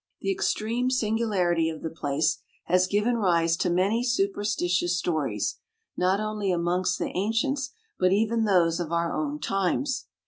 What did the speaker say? The extreme singularity of the place has given rise to many superstitious stories, not only amongst the ancients, but even those of our own times.